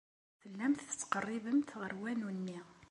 Tellamt tettqerribemt ɣer wanu-nni.